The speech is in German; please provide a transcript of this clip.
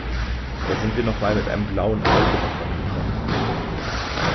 Da sind wir noch mal mit einem blauen Auge davongekommen.